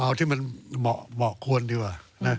เอาที่มันเหมาะควรดีกว่า